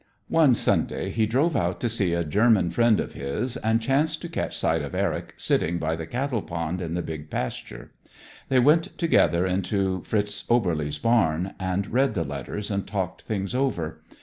One Sunday he drove out to see a German friend of his, and chanced to catch sight of Eric, sitting by the cattle pond in the big pasture. They went together into Fritz Oberlies' barn, and read the letters and talked things over.